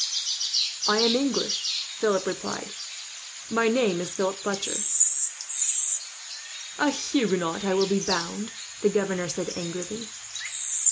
"I am English," Philip replied. "My name is Philip Fletcher." "A Huguenot, I will be bound?" the governor said angrily.